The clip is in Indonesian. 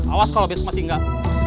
awas kalau besok masih enggak